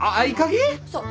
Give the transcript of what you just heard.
そう。